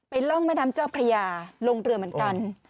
ร่องแม่น้ำเจ้าพระยาลงเรือเหมือนกัน